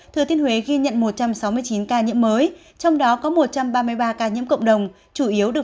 thừa thiên huế ghi nhận một trăm sáu mươi chín ca nhiễm mới trong đó có một trăm ba mươi ba ca nhiễm cộng đồng chủ yếu được